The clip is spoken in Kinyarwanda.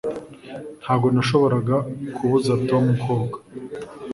Ntabwo nashoboraga kubuza Tom koga